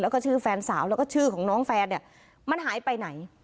แล้วก็ชื่อแฟนสาวแล้วก็ชื่อของน้องแฟนเนี่ยมันหายไปไหน